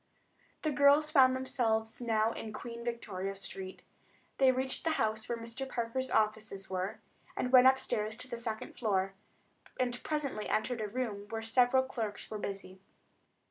The girls found themselves now in Queen Victoria Street. They reached the house where Mr. Parker's offices were, went upstairs to the second floor, and presently entered a room where several clerks were busy.